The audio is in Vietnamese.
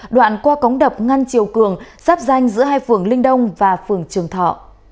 đoạn qua cống đập ngăn chiều cường sắp danh giữa hai phường linh đông và phường trường thọ